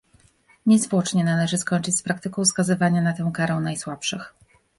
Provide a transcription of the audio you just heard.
Niezwłocznie należy skończyć z praktyką skazywania na tę karę najsłabszych